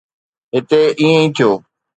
هتي ائين ئي ٿيو.